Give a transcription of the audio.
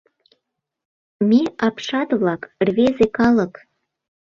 Ме — апшат-влак, рвезе калык, —